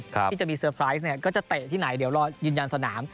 ที่จะมีเซอร์ไพรส์ก็จะเตะที่ไหนเดี๋ยวรอยืนยันสนาม